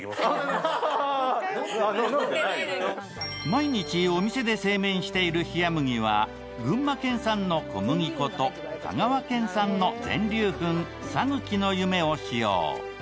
毎日お店で製麺しているひやむぎは、群馬県産の小麦粉と香川県産の全粒粉・さぬきの夢を使用。